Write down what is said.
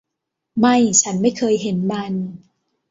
ไม่ ฉันไม่เคยเห็นมัน